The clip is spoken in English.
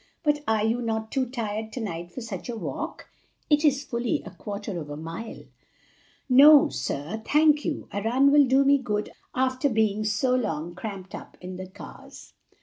"But are you not too tired to night for such a walk? it is fully a quarter of a mile." "No, sir, thank you; a run will do me good after being so long cramped up in the cars."